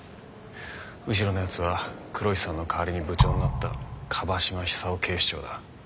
後ろの奴は黒石さんの代わりに部長になった椛島寿夫警視長だ。